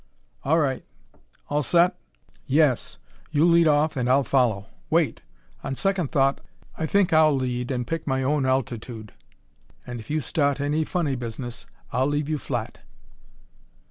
"All right. All set?" "Yes. You lead off and I'll follow. Wait! On second thought I think I'll lead and pick my own altitude. And if you start any funny business, I'll leave you flat!"